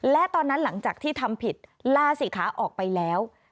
และตอนนั้นหลังจากที่ทำผิดลาศิขาออกไปแล้ว